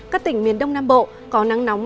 các tỉnh miền đông nam bộ có nắng nóng